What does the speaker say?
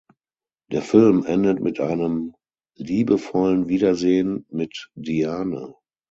Der Film endet mit einem liebevollen Wiedersehen mit Diane.